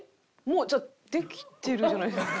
もうじゃあできてるじゃないですか。